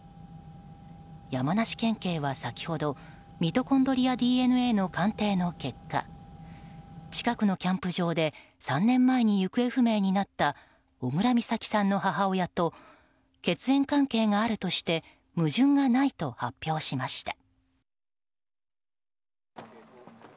山梨県警は先ほどミトコンドリアＤＮＡの鑑定の結果近くのキャンプ場で３年前に行方不明になった小倉美咲さんの母親と血縁関係があるとして矛盾がないと発表しました。